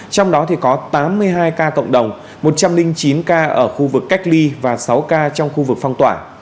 trong đó có tám mươi hai ca cộng đồng một trăm linh chín ca ở khu vực cách ly và sáu ca trong khu vực phong tỏa